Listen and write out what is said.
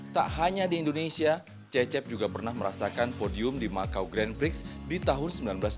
tak hanya di indonesia cecep juga pernah merasakan podium di macau grand prix di tahun seribu sembilan ratus delapan puluh